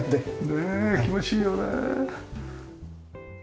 ねえ気持ちいいよね。